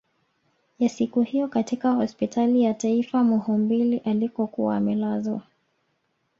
Ya siku hiyo katika hospitali ya taifa Muhimbili alikokuwa amelazwa